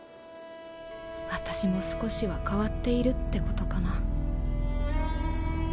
私も少しは変わっているってことかな。